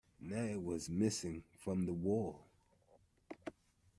Now it was missing from the wall.